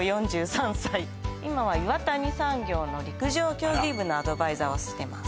今は岩谷産業の陸上競技部のアドバイザーをしてます